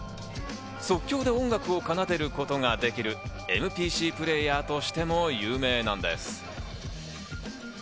即興で音楽を奏でることができるＭＰＣプレーヤーとしても有名なんです。